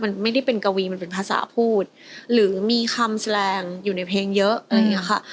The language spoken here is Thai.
มันไม่ได้เป็นกวีมันเป็นภาษาพูดหรือมีคำแสดงอยู่ในเพลงเยอะอะไรอย่างเงี้ยค่ะ